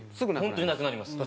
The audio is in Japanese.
本当になくなります。